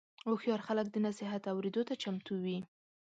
هوښیار خلک د نصیحت اورېدو ته چمتو وي.